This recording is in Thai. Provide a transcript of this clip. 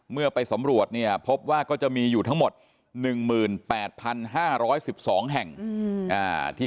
เมื่อไปสำรวจเนี่ยพบว่าก็จะมีอยู่ทั้งหมด๑๘๕๑๒แห่ง